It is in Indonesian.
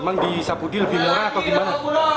memang di sapudi lebih murah atau gimana